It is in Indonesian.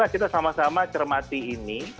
kita sama sama cermati ini